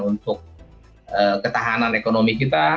untuk ketahanan ekonomi kita